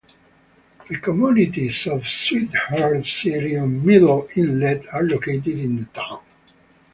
The communities of Sweetheart City and Middle Inlet are located in the town.